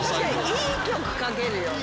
いい曲かけるよね。